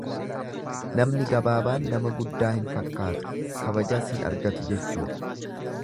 Namni gabaabaan nama guddaa hin fakkaatu, kabajas hin argatu jechuudha.